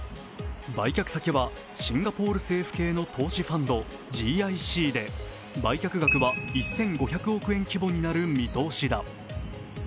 売却先はシンガポール政府系の投資ファンドＧＩＣで売却額は１５００億円規模になる見通しだ。